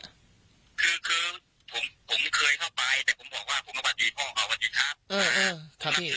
คือผมเคยเข้าไปแต่ผมบอกว่าผมก็บัตรดีพ่อเขาบัตรดีครับ